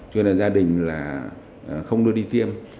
cho nên gia đình là không đưa đi tiêm